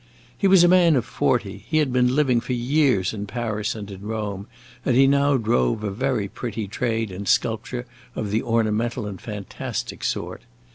He was a man of forty, he had been living for years in Paris and in Rome, and he now drove a very pretty trade in sculpture of the ornamental and fantastic sort.